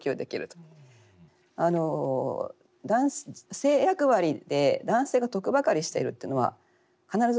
性役割で男性が得ばかりしているっていうのは必ずしもそうは言えない。